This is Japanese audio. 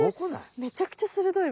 めちゃくちゃ鋭いわ。